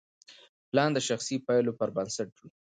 پلان د شخصي پایلو پر بنسټ و.